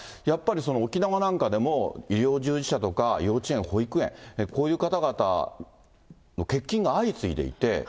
やっぱり沖縄なんかでも、医療従事者とか幼稚園、保育園、こういう方々の欠勤が相次いでいて。